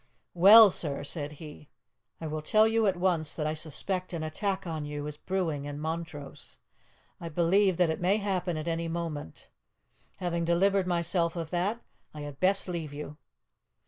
"Well, sir," said he, "I will tell you at once that I suspect an attack on you is brewing in Montrose. I believe that it may happen at any moment. Having delivered myself of that, I had best leave you."